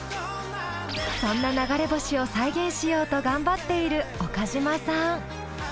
そんな流れ星を再現しようと頑張っている岡島さん。